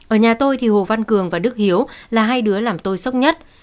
ở nhà tôi thì hồ văn cường và đức hiếu là hai đứa làm tôi sốc nhất